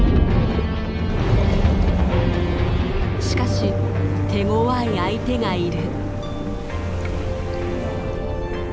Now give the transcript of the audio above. しかし手ごわい相手がいる。